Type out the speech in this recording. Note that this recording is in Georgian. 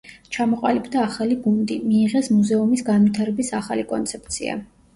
ჩამოყალიბდა ახალი გუნდი, მიიღეს მუზეუმის განვითარების ახალი კონცეფცია.